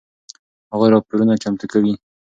هغوی راپورونه چمتو کوي.